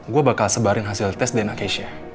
gue bakal sebarin hasil tes dna case nya